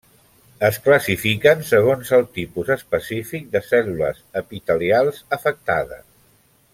Es classifiquen segons el tipus específic de cèl·lules epitelials afectades.